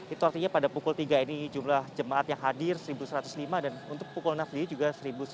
itu artinya pada pukul tiga ini jumlah jemaat yang hadir satu satu ratus lima dan untuk pukul enam sendiri juga satu sembilan ratus